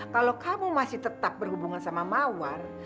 kalau kamu masih tetap berhubungan sama mawar